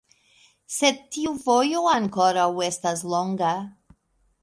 Sed tiu vojo ankoraŭ estas longa.